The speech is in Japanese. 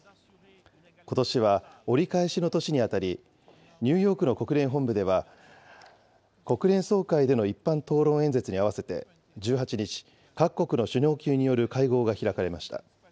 ことしは折り返しの年に当たり、ニューヨークの国連本部では、国連総会での一般討論演説に合わせて、１８日、各国の首脳級による会合が開かれました。